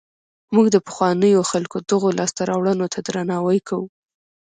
موږ د پخوانیو خلکو دغو لاسته راوړنو ته درناوی کوو.